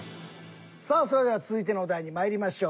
さあそれでは続いてのお題にまいりましょう。